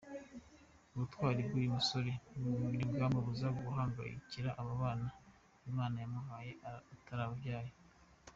Ubutwari bw’uyu musore ntibumubuza guhangayikira aba bana Imana yamuhaye atarababyaye.